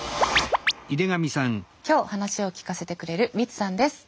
今日話を聞かせてくれるリツさんです。